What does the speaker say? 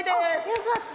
よかった！